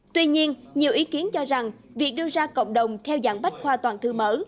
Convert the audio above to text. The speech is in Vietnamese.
tuy nhiên nhiều ý kiến cho rằng việc đưa ra cộng đồng theo dạng bách khoa toàn thư mở